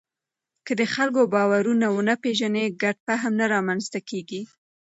که د خلکو باورونه ونه پېژنې، ګډ فهم نه رامنځته کېږي.